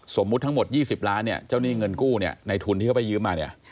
สมมุติทั้งหมด๒๐ล้านเจ้าหนี้เงินกู้ในทุนที่เขาไปยืมมา